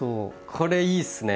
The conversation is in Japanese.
これいいっすね！